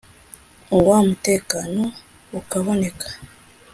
wa mutekano ukaboneka